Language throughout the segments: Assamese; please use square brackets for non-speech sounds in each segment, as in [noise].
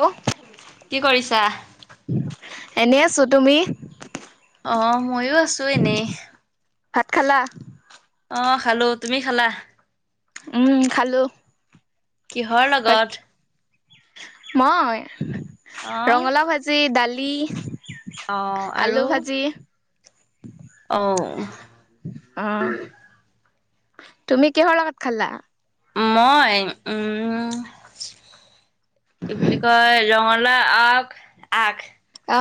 হেল্ল' কি কৰিছা? এনেই আছোঁ তুমি? অ মইও আছো এনেই। ভাত খালা? অ খালো তুমি খালা? উম খালো কিহৰ লগত বাকী মই অ ৰঙালাও ভাজি, দালি। অ, আৰু আলু ভাজি অ অ'হ তুমি কিহৰ লগত খালা? মই, উম' কি বুলি কয়? ৰঙা ৰঙালাও আগ, আগ অ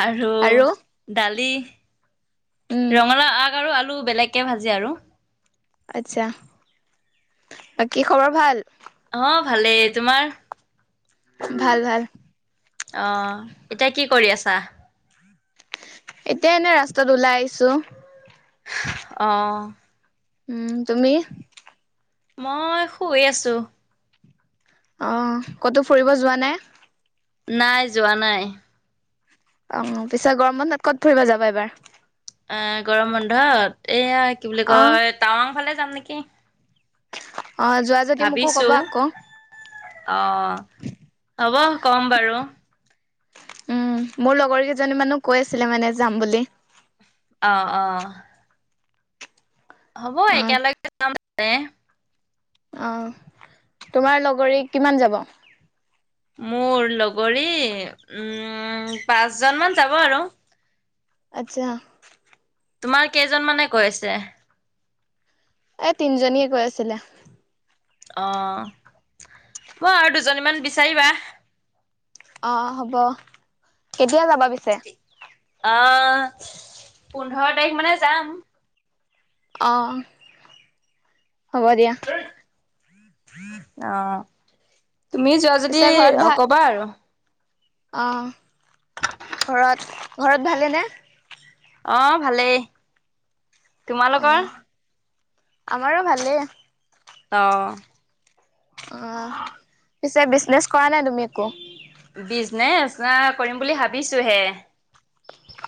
আৰু দালি। উম ৰঙালাও আগ আৰু আলু বেলেগকে ভাজি আৰু। আচ্ছা। বাকি খবৰ ভাল? অ ভালেই। তোমাৰ? ভাল ভাল আহ এতিয়া কি কৰি আছা? এতিয়া এনে ৰাস্তাত ওলাই আহিছো। অঁহ। উম তুমি? মই শুই আছো। আহ কতো ফুৰিব যোৱা নাই? নাই যোৱা নাই। অ পিছে গৰম বন্ধত ক'ত ফুৰিব যাবা এইবাৰ? এ গৰম বন্ধত এইয়া কি বুলি অ কয়, টাৱাং ফালে যাম নেকি। অ যোৱা যদি মোকো কব আক। অ হব কম বাৰু। উম মোৰ লগৰ কেইজনীমানো কৈ আছিলে মানে যাম বুলি। অঁ অঁ। হ'ব অ একেলগে যাম। আহ তোমাৰ লগৰী কিমান যাব? মোৰ লগৰী উম, পাঁচজনমান যাব আৰু। আচ্ছা। তোমাৰ কেইজন মানে কৈছে? এ তিনিজনীয়ে কৈ আছিলে। অ, হ'ব আৰু দুজনীমান বিচাৰিবা। অ হ'ব, কেতিয়া যাবা পিছে? আহ, পোন্ধৰ তাৰিখ মানে যাম। অ, হ'ব দিয়া। অ, তুমি যোৱা পিছে যদি ঘৰত ভাল কবা আৰু। অ, ঘৰত-ঘৰত ভালে নে? অহ, ভালেই। অ তোমালোকৰ? আমাৰো ভালেই। অ অ পিছে, বিজনেছ কৰা নাই তুমি একো? বিজনেছ, অ, কৰিম বুলি ভাবিছো হে।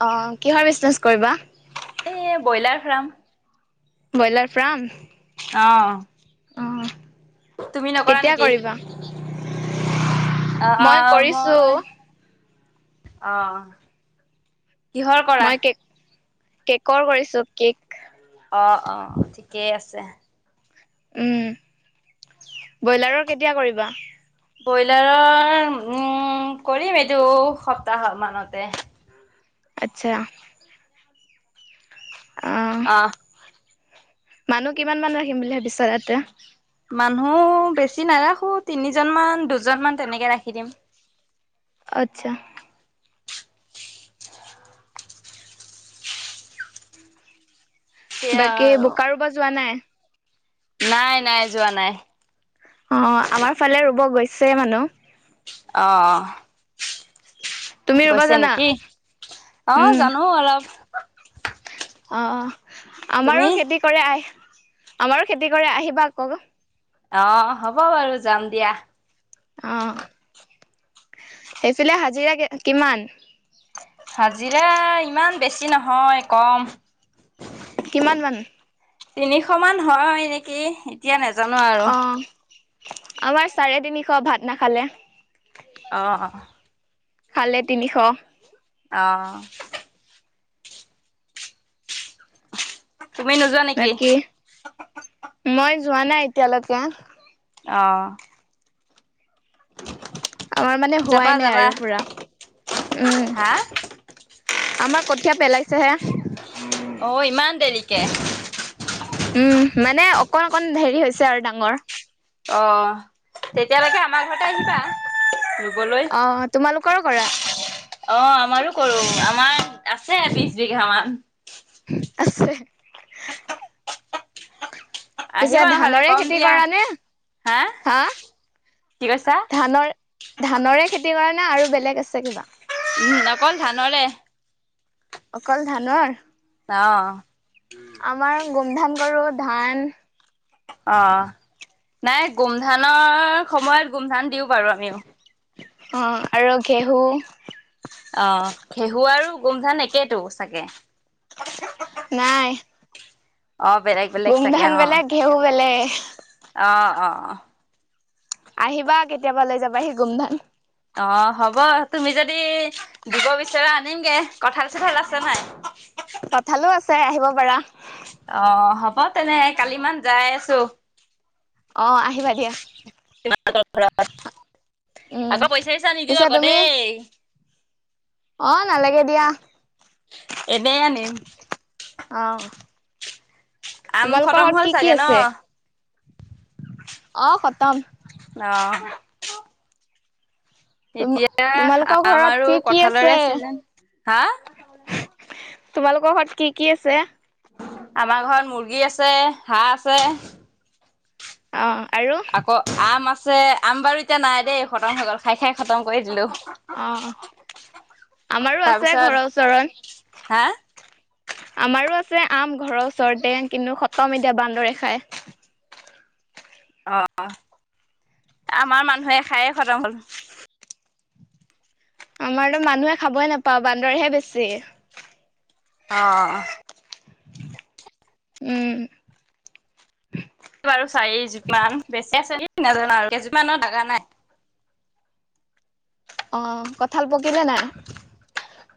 অ, কিহৰ বিজনেছ কৰিবা? এ ব্ৰইলাৰ ফাৰ্ম। Broiler farm? অহ। অ তুমি নকৰা কেতিয়া নেকি? কৰিবা অ, মই কৰিছো মই অ, কিহৰ কৰা? মই কেক কেকৰ কৰিছো, কেক। অ-অ, ঠিকেই আছে। উম, ব্ৰইলাৰৰ কেতিয়া কৰিবা? ব্ৰইলাৰৰ, উম, কৰিম এইটো সপ্তাহৰ মানতে। আচ্ছা। অহ অ', মানুহ কিমান ৰাখিম বুলি ভাবিছা তাতে মানুহ বেছি নাৰাখোঁ তিনিজনমান দুজনমান তেনেকে ৰাখি দিম। আচ্ছা সেয়া বাকী বোকাৰোৱ যোৱা নাই? নাই-নাই, যোৱা নাই। আছে মানুহ [unintelligible] অহ-অহ তুমি ৰুব গৈছে জানা? নেকি? অ, উম জানো অলপ। অহ, আমাৰো তুমি? খেতি কৰে আহ, আমাৰো খেতি কৰে, আহিবা আকৌ। অ, হ'ব বাৰু যাম দিয়া। অ সেইফালে হাজিৰা কিমান? হাজিৰা ইমান বেছি নহয়, কম। কিমান মান? তিনিশ মান হয় নেকি, এতিয়া নাজানো আৰু। অ আমাৰ চাৰে তিনিশ, ভাত নাখালে। অ'হ খালে তিনিশ। অহ। তুমি নোযোৱা নেকি? বাকি, মই যোৱা নাই এতিয়ালৈকে। অহ। আমাৰ মানে যাবা হোৱাই নাই যাবা আৰু পুৰা, হা উম। আমাৰ কঠিয়া পেলাইছেহে। অহ ইমান দেৰিকে। উম মানে অকণ অকণ হেৰি হৈছে আৰু ডাঙৰ। অহ তেতিয়ালৈকে আমাৰ ঘৰতে আহিবা ৰুবলৈ। অ তোমালোকৰো কৰা অহ আমাৰো কৰো, আমাৰ আছে বিছ বিঘামান। আছে। পিছে আহিবা নহ'লে ধানৰে কম খেতি দিয়া কৰা নে হা? কি কৈছা ধানৰ ধানৰে খেতি কৰা নে আৰু বেলেগ আছে কিবা? অকল ধানৰে। অকল ধানৰ? অহ। আমাৰ গোমধান কৰো, ধান অহ, নাই গোমধানৰ সময়ত গোমধান দিও বাৰু আমিও। অহ আৰু ঘেহুঁ, অহ ঘেহুঁ আৰু গোমধান একেহেনো চাগে। নাই। অ', বেলেগ বেলেগ চাগে গোমধান অ', বেলেগ, ঘেহুঁ বেলেগ। অহ আহিবা কেতিয়াবা লৈ যাবা সি গোমধান। অহ হ'ব, তুমি যদি দিব বিচৰা আনিমগে। কঁঠাল চঠাল আছে নাই চাই আহিব পাৰা। অহ হ'ব তেনে কালি মান যায় আছো। অহ আহিবা দিয়া। তোমালোকৰ ঘৰত উম আকৌ পইচা পইচা নিদিওঁ আকৌ দেই। অহ নালাগে দিয়া। এনেই আনিম। আম তোমালোকৰ খতম ঘৰত হ'ল কি কি চাগে ন আছে? অ খতম। অ এতিয়া তোমালোকৰ আম ঘৰত আৰু কি কি আছে কঠালৰে চিজন হা তোমালোকৰ ঘৰত কি কি আছে আমাৰ ঘৰত মুৰ্গী আছে হাঁহ আছে আহ আকৌ আম আছে আম বাৰু এতিয়া নাই দেই খতম হৈ গল খাই খাই খতম কৰি দিলো অহ আমাৰো আছে তাৰপিছত ঘৰৰ হা ওচৰত আমাৰো আছে আম ঘৰৰ ওচৰতে কিন্তু খতম এতিয়া বান্দৰে খায় [unintelligible] অহ আমাৰ মানুহে খায়ে খতম হ'ল আমাৰতো মানুহে খাবই নাপাওঁ বান্দৰেহে বেছি অহ উম পিঠা বেঙেনা আৰু কিছুমান লগা নাই অহ কঁঠাল পকিলে নাই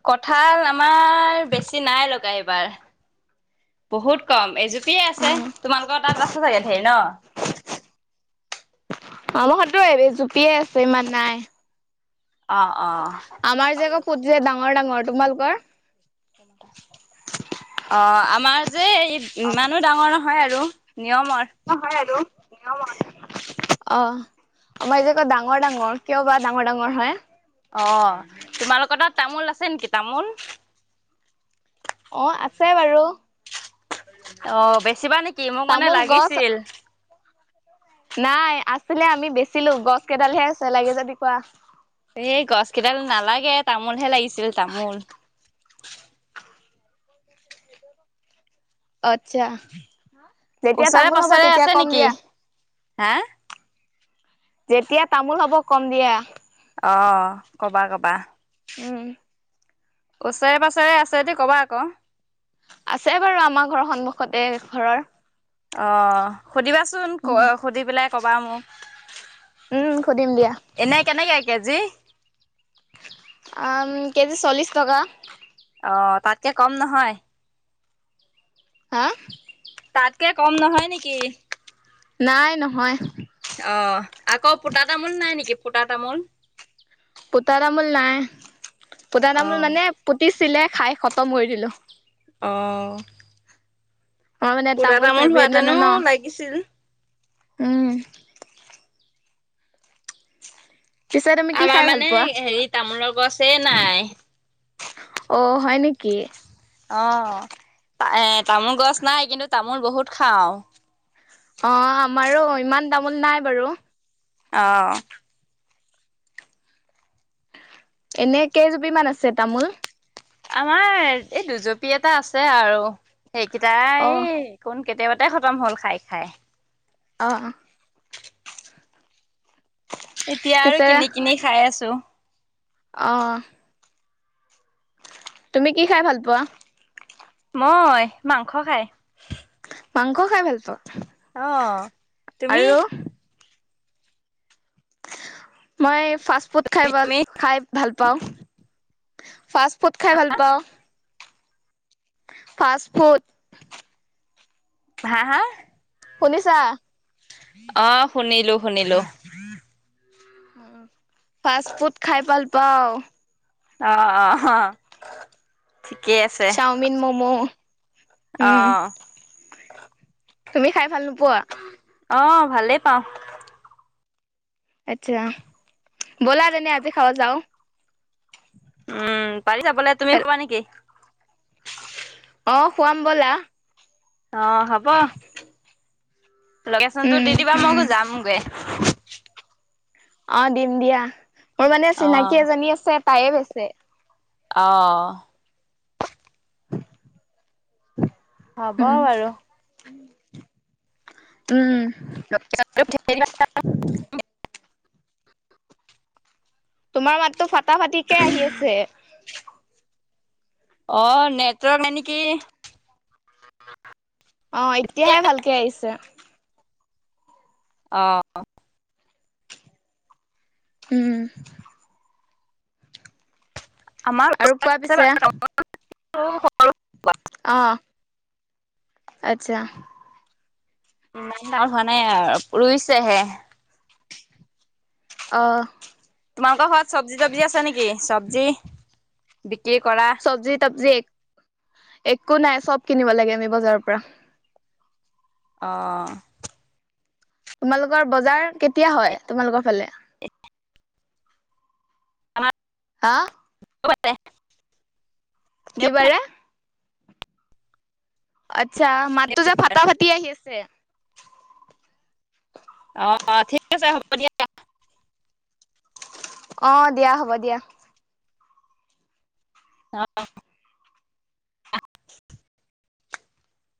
কঁঠাল আমাৰ বেছি নাই লগা এইবাৰ বহুত কম এজোপিয়ে আছে তোমালোকৰ তাত আছ চাগে ধেৰ ন আমাৰ ঘৰতো এই জোপিয়ে আছে ইমান নাই অহ আমাৰ যে আকৌ ফোট কেইটা ডাঙৰ ডাঙৰ তোমালোকৰ অহ আমাৰ যে ইমানো ডাঙৰ নহয় আৰু নিয়মৰ। অহ হয় আৰু অহ আমাৰ এতিয়া ক ডাঙৰ ডাঙৰ কিয় বা ডাঙৰ ডাঙৰ হয় অহ তোমালোকৰ তাত তামোল আছে নেকি তামোল অহ আছে বাৰু অহ বেছিবা নেকি মোক মানে তামোল গছ লাগিছিল নাই আছিলে আমি বেচিলো গছ কেইডালহে আছে লাগে যদি কোৱা এই গছ কেইডাল নালাগে তামোলহে লাগিছিল তামোল অত্ছা ওচৰে পাছৰে আছে নিকি হা যেতিয়া তামোল হ'ব কম দিয়া অ কবা কবা উম ওচৰে পাছৰে আছে দি কবা আকৌ আছে বাৰু আমাৰ ঘৰৰ সন্মুখতে এঘৰৰ অ সুধিবাচোন ক সুধি পেলাই কবা মোক উম সুধিম দিয়া এনেই কেনেকে কেজি আ ম কেজি চল্লিশ টকা অ তাতকে কম নহয় হা তাতকে কম নহয় নিকি নাই নহয় অহ আকৌ পোতা তামোল নাই নিকি পোতা তামোল পোতা তামোল নাই পোতা তামোল অ' মানে পুতিছ ছিলে খাই খতম কৰি দিলোঁ অ মই মানে পুতা তামোল ফেভট মানে হোৱাতেনো ন লাগিছিল। উম পিছে তুমি কি আমাৰ খাই ভাল মানে পোৱা হেৰি তামোলৰ গছে নাই অ হয় নিকি অ এ তামোল গছ নাই কিন্তু তামোল বহুত খাওঁ অ আমাৰো ইমান তামোল নাই বাৰু অহ এনে কেইজুপী মান আছে তামোল আমাৰ এই দুজপি এটা আছে আৰু অ সেইকেইটাই এই কোন কেতিয়াবাতেই খতম হ'ল খাই খাই। অ এতিয়া আৰু কিনি কিনি খাই আছো। আহ- তুমি কি খাই ভাল পোৱা। মই মাংস খাই- মাংস খাই ভাল পোৱা অহ তুমি আৰু মই ফাষ্ট ফুড খাই বাল তুমি খাই ভাল পাওঁ ফাৰ্ষ্ট ফুত খাই ভাল পাওঁ। ফাষ্টফোত হা হা শুনিছা অহ শুনিলো শুনিলো। উম ফাৰ্ষ্ট ফুড খাই ভাল পাওঁ অহ অ হঅ ঠিকেই আছে চাওমিন ম'ম' উম অহ। তুমি খাই ভাল নোপোৱা। অ ভালেই পাওঁ। আত্ছা ব'লা তেনে আজি খাব যাওঁ। উম পাৰি যাবলে তুমি খোৱা নিকি। অ খুৱাম ব'লা। অ হব লোকেচনটো উম দি দিবা মই যামগে। [unintelligible] অ দিম দিয়া মোৰ মানে অ চিনাকি এজনী আছে তাইয়ে বেচে অ হব উম বাৰু উম [unintelligible] তোমাৰ মাততো ফটা ফাটিকে আহি আছেট। অ নেটৱৰ্ক ন নেকি। অ এতিয়াহে ভালকে আহিছে। আহ উম আমাৰ আৰু কোৱা পিছে [unintelligible] আহহ আচ্ছা। ভাল হোৱা নাই ৰুইছেহে। আহ তোমালোকৰ ঘৰত চবজি তবজি আছে নেকি চব্জি বি চবজি তবজি এক একো নাই চব কিনিব লাগে আমি বজাৰৰ পৰা। আহ তোমালোকৰ বজাৰ কেতিয়া হয়। তোমালোকৰ ফালে এক [unintelligible] হা মতে [unintelligible] কি বাৰে। আচ্ছা মাততো যে ফটা ফাটি আহি আছে। অ', ঠিক আছে হ'ব দিয়া। অ দিয়া হ'ব দিয়া। আহ